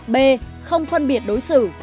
b không phân biệt đối xử